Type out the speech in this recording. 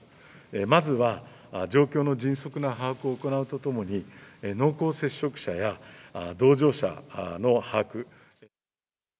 まずは状況の迅速な把握を行うとともに、濃厚接触者や、同乗者の把握。